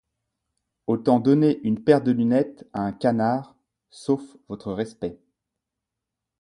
Autant donner une paire de lunettes à un canard, sauf votre respect.